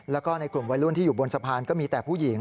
แล้วก็ในกลุ่มวัยรุ่นที่อยู่บนสะพานก็มีแต่ผู้หญิง